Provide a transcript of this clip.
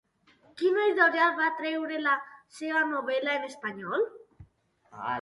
Quina editorial va treure la seva novel·la en espanyol?